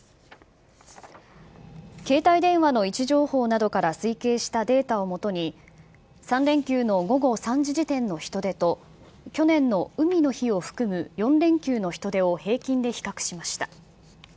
携帯電話の位置情報などから推計したデータを基に、３連休の午後３時時点の人出と、去年の海の日を含む４連休の人出を平均で比較しました。